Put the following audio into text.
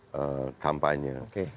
bagi kepentingan kampanye